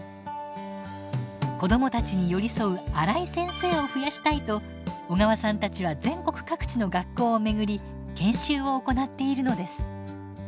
子どもたちに寄り添うアライ先生を増やしたいと小川さんたちは全国各地の学校を巡り研修を行っているのです。